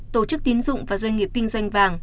tổ chức tín dụng và doanh nghiệp kinh doanh vàng